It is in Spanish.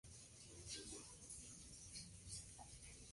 El experimento inicialmente cumplió las expectativas de Aurora.